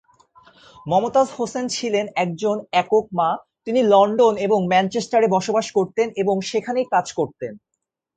মমতাজ হোসেন ছিলেন একজন একক মা, তিনি লন্ডন এবং ম্যানচেস্টারে বসবাস করতেন এবং সেখানেই কাজ করতেন।